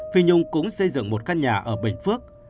phi nhung cũng xây dựng một căn nhà ở bình phước